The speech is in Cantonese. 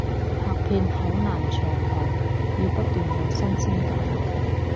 拍片好難長紅，要不斷有新鮮感